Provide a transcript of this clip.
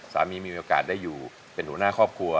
มีโอกาสได้อยู่เป็นหัวหน้าครอบครัว